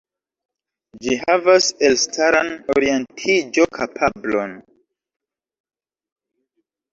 Ĝi havas elstaran orientiĝo-kapablon.